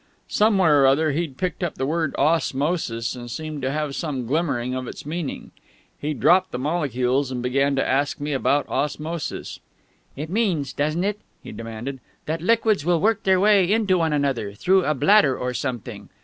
Somewhere or other he'd picked up the word "osmosis," and seemed to have some glimmering of its meaning. He dropped the molecules, and began to ask me about osmosis. "It means, doesn't it," he demanded, "that liquids will work their way into one another through a bladder or something?